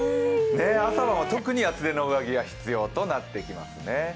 朝晩は特に厚手の上着が必要となってきますね。